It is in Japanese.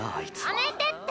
やめてって！